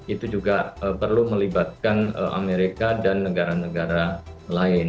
itu juga perlu melibatkan amerika dan negara negara lain